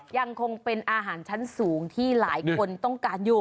ยังคงเป็นอาหารชั้นสูงที่หลายคนต้องการอยู่